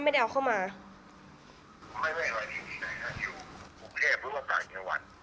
คุณพ่อได้จดหมายมาที่บ้าน